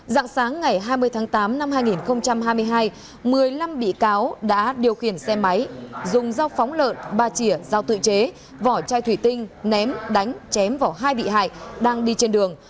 dạng sáng ngày hai mươi tháng tám năm hai nghìn hai mươi hai một mươi năm bị cáo đã điều khiển xe máy dùng dao phóng lợn ba chỉa dao tự chế vỏ chai thủy tinh ném đánh chém vỏ hai bị hại đang đi trên đường